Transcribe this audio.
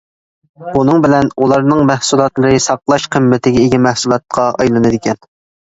بۇنىڭ بىلەن ئۇلارنىڭ مەھسۇلاتلىرى ساقلاش قىممىتىگە ئىگە مەھسۇلاتقا ئايلىنىدىكەن.